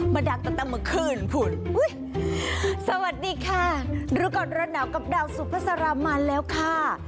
มาดังตั้งแต่เมื่อคืนสวัสดีค่ะดูก่อนเราหนาวกับดาวซูเปอร์สารามมาแล้วค่ะ